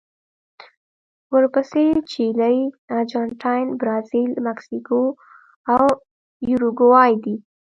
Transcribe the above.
ورپسې چیلي، ارجنټاین، برازیل، مکسیکو او یوروګوای دي.